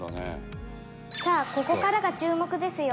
「さあここからが注目ですよ！」